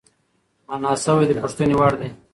مانا شوی د پوښتنې وړدی،